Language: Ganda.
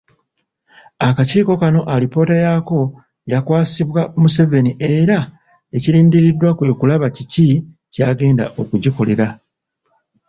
Akakiiko kano alipoota yaako yakwasibwa Museveni era ekirindiddwa kwe kulaba kiki kyagenda okugikolera.